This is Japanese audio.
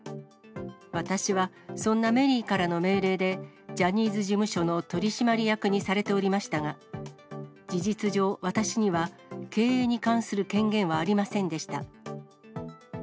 私は、そんなメリーからの命令で、ジャニーズ事務所の取締役にされておりましたが、事実上、私には経営に関する権限はありませんでした。